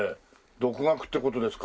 独学って事ですか？